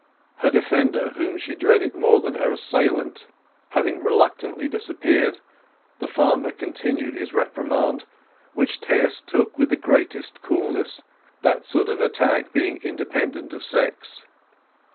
Her defender, whom she dreaded more than her assailant, having reluctantly disappeared, the farmer continued his reprimand, which Tess took with the greatest coolness, that sort of attack being independent of sex.